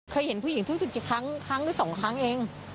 เคยเห็นผู้หญิงทุกครั้งครั้งหรือสองครั้งเอง